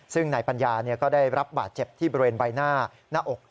ซึ่งนายปัญญาก็ได้รับบาดเจ็บที่บริเวณใบหน้าหน้าอก